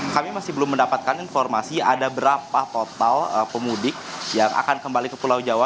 kami masih belum mendapatkan informasi ada berapa total pemudik yang akan kembali ke pulau jawa